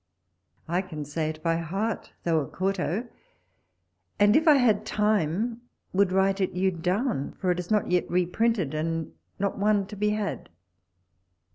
I can say it by heart, though a quarto, and if I had time would write it you down ; for it is not yet reprinted, and not one to be had.